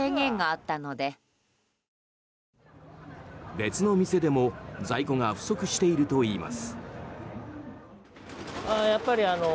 別の店でも在庫が不足しているといいます。